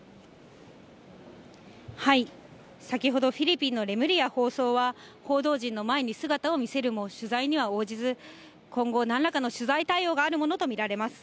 先ほど、フィリピンのレムリア法相は、報道陣の前に姿を見せるも、取材には応じず、今後なんらかの取材対応があるものと見られます。